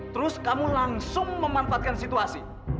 terus kamu langsung memanfaatkan situasi